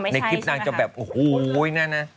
ในคลิปนางจะแบบโอ้โหนั่นนะ